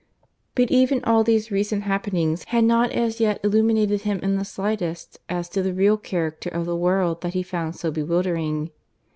But even all these recent happenings had not as yet illuminated him in the slightest as to the real character of the world that he found so bewildering.